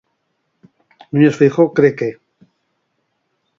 Núñez Feijóo cre que...